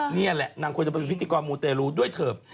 เนี่ยแหละนางควรจะประสิทธิกรมมุเตลูด้วยเถิบ